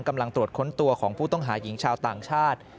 กำลังตรวจค้นตัวของผู้ต้องหาหญิงชาวต่างชาติ